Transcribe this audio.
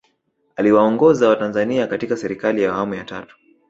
Aliwaongoza watanzania katika Serikali ya Awamu ya Tatu